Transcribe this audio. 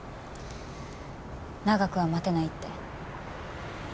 長くは待てないって。